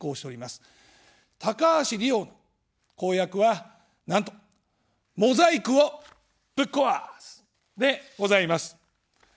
高橋理洋の公約は、なんとモザイクをぶっ壊すでございます。